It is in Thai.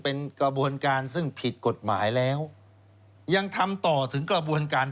เป็นกระบวนการซึ่งผิดกฎหมายแล้วยังทำต่อถึงกระบวนการ